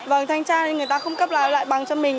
vâng thanh tra thì người ta không cấp lại bằng cho mình